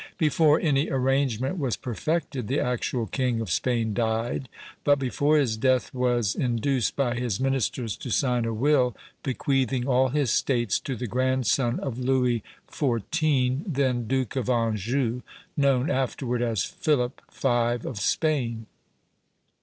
Before any arrangement was perfected, the actual king of Spain died, but before his death was induced by his ministers to sign a will, bequeathing all his States to the grandson of Louis XIV., then Duke of Anjou, known afterward as Philip V. of Spain.